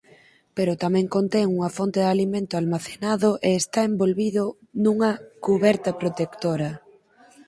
Pero tamén contén unha fonte de alimento almacenado e está envolvido nunha "cuberta protectora".